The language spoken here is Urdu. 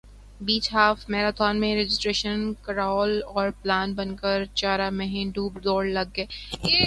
بیچ ہاف میراتھن میں رجسٹریشن کروال اور پلان بن کہہ چارہ مہین خوب دوڑ لگ گے